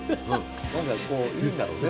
何かこういいんだろうね